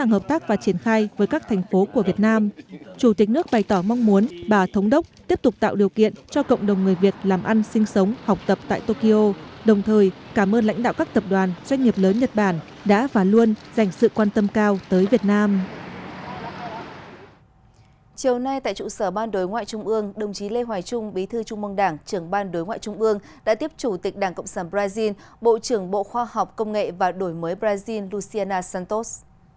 hôm nay tại trụ sở ban đối ngoại trung ương đồng chí lê hoài trung bí thư trung mong đảng trưởng ban đối ngoại trung ương đã tiếp chủ tịch đảng cộng sản brazil bộ trưởng bộ khoa học công nghệ và đổi mới brazil luciana santos